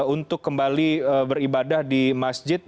untuk kembali beribadah di masjid